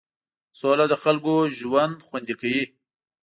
سوله د خلکو ژوند خوندي کوي.